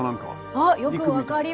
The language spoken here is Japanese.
あっよく分かりましたね！